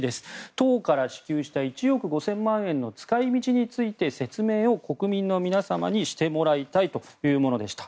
党から支給した１億５０００万円の使い道について説明を国民の皆様にしてもらいたいというものでした。